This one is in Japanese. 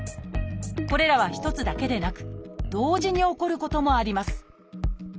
これらは一つだけでなく同時に起こることもあります